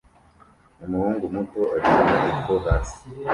Umuhungu muto akina ifu hasi